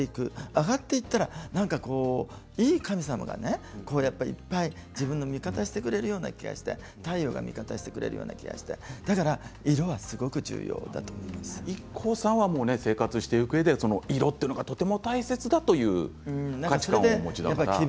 上がっていったら、なんかいい神様が、いっぱい自分の味方をしてくれるような気がして太陽が味方してくれるような気がして、だから色がすごくＩＫＫＯさんは生活していくうえで色がとても大切だという価値観をお持ちだから。